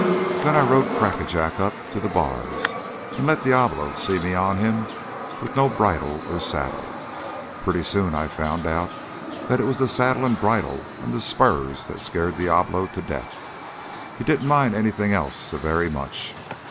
Then I rode Crackajack up to the bars and let Diablo see me on him, with no bridle or saddle. Pretty soon I found out that it was the saddle and the bridle and the spurs that scared Diablo to death. He didn't mind anything else so very much.